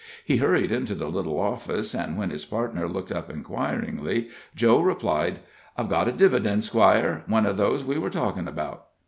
He hurried into the little office, and when his partner looked up inquiringly, Joe replied: "I've got a dividend, Squire one of those we were talking about."